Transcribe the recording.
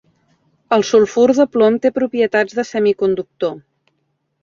El sulfur de plom té propietats de semiconductor.